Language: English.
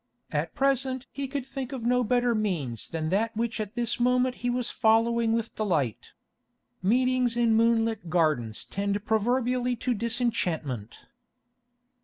At present he could think of no better means than that which at this moment he was following with delight. Meetings in moonlit gardens tend proverbially to disenchantment!